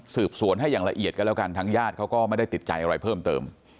สืบสวนให้อย่างละเอียดกันแล้วกันทางญาติเขาก็ไม่ได้ติดใจอะไรเพิ่มเติม